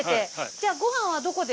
じゃあご飯はどこで？